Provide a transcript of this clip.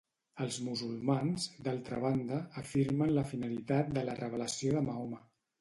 Els musulmans, d'altra banda, afirmen la finalitat de la revelació de Mahoma.